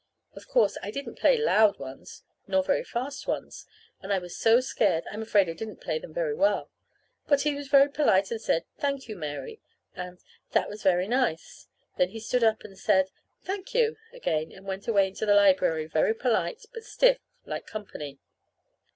Of course, I didn't play loud ones, nor very fast ones, and I was so scared I'm afraid I didn't play them very well. But he was very polite and said, "Thank you, Mary," and, "That that was very nice"; then he stood up and said, "Thank you" again and went away into the library, very polite, but stiff, like company.